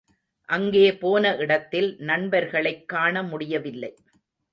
அங்கே போன இடத்தில் நண்பர்களைக் காணமுடியவில்லை.